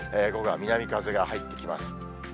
午後は南風が入ってきます。